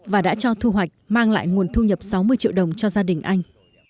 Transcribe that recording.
và đã cho thu hoạch mang lại nguồn thu nhập sáu mươi triệu đồng cho gia đình anh